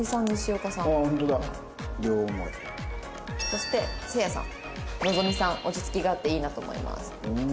そして晴也さん「望未さん落ち着きがあっていいなと思います」。